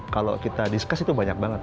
kalau kita discuss itu banyak banget